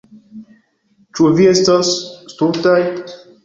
Ĉu vi estas stultaj?